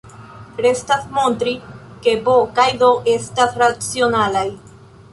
Restas montri ke "b" kaj "d" estas racionalaj.